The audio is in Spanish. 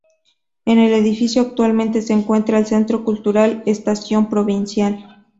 En el edificio actualmente se encuentra el Centro Cultural Estación Provincial.